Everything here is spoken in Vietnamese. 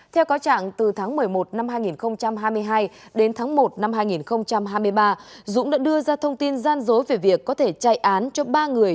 theo cáo trạng từ tháng một mươi một năm hai nghìn hai mươi hai đến tháng một năm hai nghìn hai mươi ba dũng đã đưa ra thông tin gian dối về việc có thể chạy án cho ba người